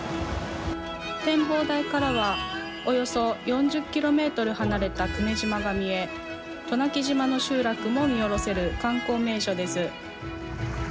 展望台からはおよそ４０キロメートル離れた久米島が見え、渡名喜島の集落も見下ろせる観光名所です。